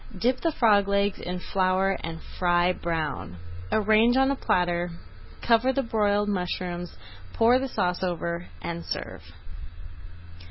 Dip the frog legs in flour and fry brown. Arrange on a platter, cover with broiled mushrooms, pour the sauce over, and serve.